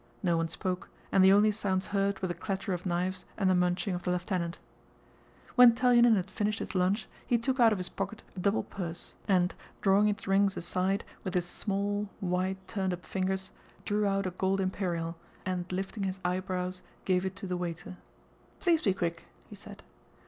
No one spoke and the only sounds heard were the clatter of knives and the munching of the lieutenant. When Telyánin had finished his lunch he took out of his pocket a double purse and, drawing its rings aside with his small, white, turned up fingers, drew out a gold imperial, and lifting his eyebrows gave it to the waiter. "Please be quick," he said.